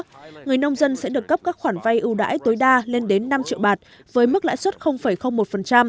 người nông dân sẽ được cấp các khoản vay ưu đãi tối đa lên đến năm triệu bạt với mức lãi suất một